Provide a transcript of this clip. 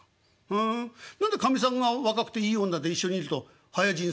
「ふん何でかみさんが若くていい女で一緒にいると早死にすんの？」。